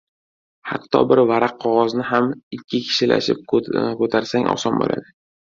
• Hatto bir varaq qog‘ozni ham ikki kishilashib ko‘tarsang oson bo‘ladi.